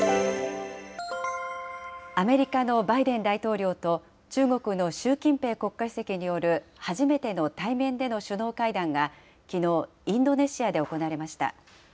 アメリカのバイデン大統領と中国の習近平国家主席による、初めての対面での首脳会談がきのう、インドネシアで行われました。